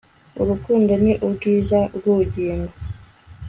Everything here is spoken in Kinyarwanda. urukundo ni ubwiza bw'ubugingo